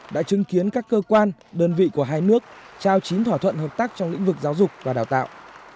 đã chứng kiến các cơ quan đơn vị của hai nước trao chín thỏa thuận hợp tác trong lĩnh vực giáo dục và đào tạo